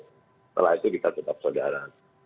setelah itu kita tetap saudara